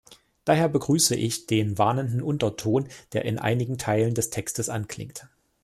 Daher begrüße ich den warnenden Unterton, der in einigen Teilen des Textes anklingt.